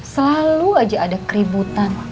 selalu aja ada keributan